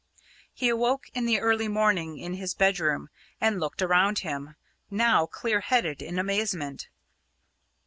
He awoke in the early morning in his bedroom, and looked around him, now clear headed, in amazement.